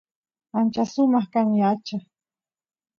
ancha sumaq kan yacha